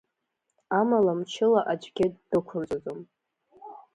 Амала мчыла аӡәгьы ддәықәырҵаӡом.